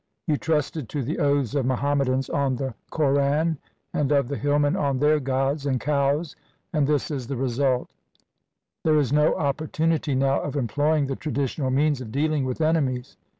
You trusted to the oaths of Muhammadans on the Quran and of the hillmen on their gods and cows, and this is the result. There is no opportunity now of employing the traditional means of dealing with enemies.